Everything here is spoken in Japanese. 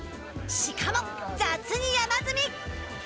しかも雑に山積み。